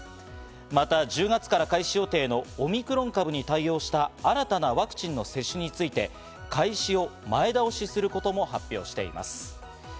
また１０月から開始予定のオミクロン株に対応した新たなワクチンの接種について、開始を前倒しすることも発表しています。